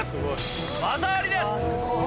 技ありです。